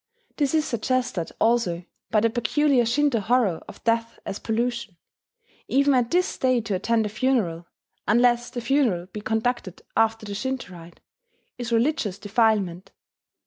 This is suggested also by the peculiar Shinto horror of death as pollution: even at this day to attend a funeral, unless the funeral be conducted after the Shinto rite, is religious defilement.